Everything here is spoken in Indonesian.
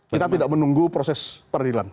kita tidak menunggu proses peradilan